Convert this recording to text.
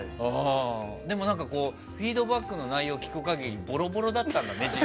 でも、フィードバックの内容を聞く限りボロボロだったんだね、１１月。